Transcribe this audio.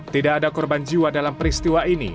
tidak ada korban jiwa dalam peristiwa ini